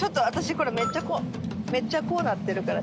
これめっちゃめっちゃこうなってるから。